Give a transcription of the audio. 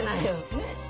ねえ？